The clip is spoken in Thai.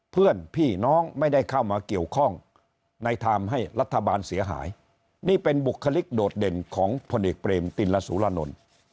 เพื่อนพี่น้องไม่ได้เข้ามาเกี่ยวข้องในไทม์ให้รัฐบาลเสียหายนี่เป็นบุคลิกโดดเด่นของพลเอกเปรมติลสุรานนท์